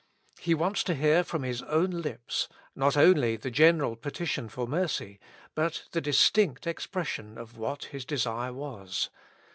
" He wants to hear from his own lips, not only the general petition for mercy, but the distinct expression of what his desire was.